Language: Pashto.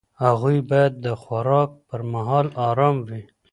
هغوی باید د خوراک پر مهال ارام وي.